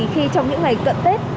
khi trong những ngày cận tết